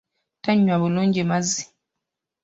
Tanywa bulungi mazzi.